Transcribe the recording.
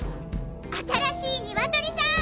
新しいニワトリさん！